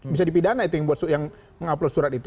bisa dipidana itu yang menguploa surat itu